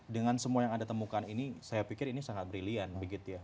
dengan semua yang anda temukan ini saya pikir ini sangat brilliant begitu ya